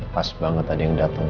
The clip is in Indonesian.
pas banget ada yang datang